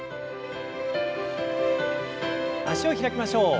脚を開きましょう。